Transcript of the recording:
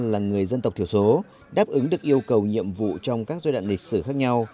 là người dân tộc thiểu số đáp ứng được yêu cầu nhiệm vụ trong các giai đoạn lịch sử khác nhau